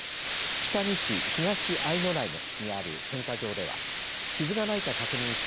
北見市東相内にある選果場では傷がないか確認した